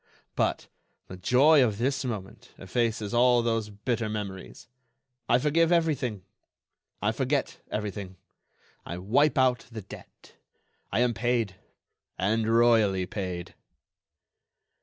But the joy of this moment effaces all those bitter memories. I forgive everything. I forget everything—I wipe out the debt. I am paid—and royally paid."